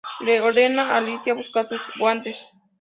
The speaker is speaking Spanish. Le ordena a Alicia buscar sus guantes.